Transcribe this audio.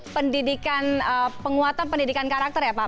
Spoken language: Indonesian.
pendidikan penguatan pendidikan karakter ya pak